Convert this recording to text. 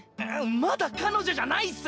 まだ彼女じゃないっす！